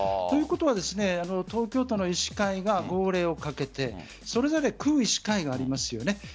ということは東京都の医師会が号令をかけてそれぞれ区に医師会がありますよね。